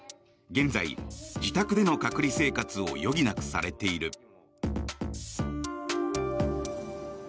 現在、自宅での隔離生活を余儀なくされている。